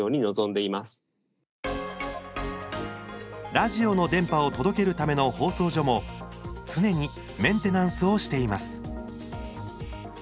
ラジオの電波を届けるための放送所も常にメンテナンスをしています。